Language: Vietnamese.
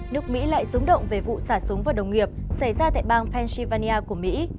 nước mỹ lại dúng động về vụ sả súng vào đồng nghiệp xảy ra tại bang pennsylvania của mỹ